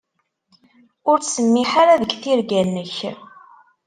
Ur ttsemmiḥ ara deg tirga-nnek.